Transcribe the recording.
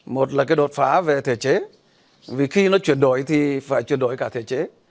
một là cái đột phá về thể chế vì khi nó chuyển đổi thì phải chuyển đổi cả thể chế